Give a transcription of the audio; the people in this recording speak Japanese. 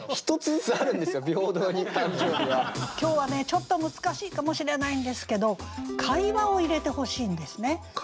ちょっと難しいかもしれないんですけど会話を入れてほしいんですね。